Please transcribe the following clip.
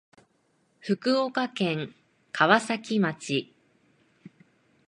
福岡県川崎町